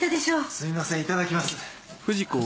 すみませんいただきます。